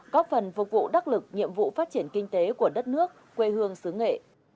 có phần phục vụ đắc lực nhiệm vụ phát triển kinh tế của đất nước quê hương xứ nghệ